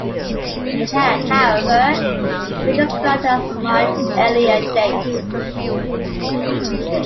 It had, however, been described at a much earlier date.